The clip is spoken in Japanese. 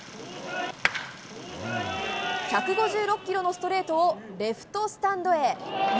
１５６キロのストレートをレフトスタンドへ。